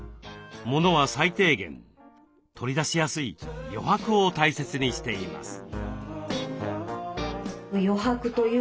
モノは最低限取り出しやすい「余白」を大切にしています。